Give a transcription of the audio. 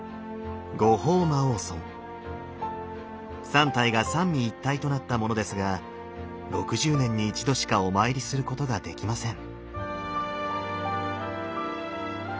三体が三位一体となったものですが６０年に一度しかお参りすることができません。